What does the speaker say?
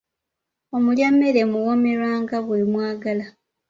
Omulya mmere muwoomerwa nga bwe mwagala.